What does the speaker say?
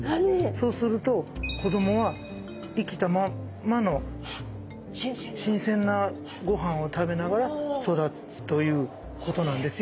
そうすると子どもは生きたままの新鮮なごはんを食べながら育つということなんですよ。